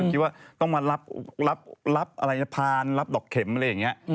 คิดว่าต้องมารับทรรภารรับดอกเข็มอะไรแบบเนี่ย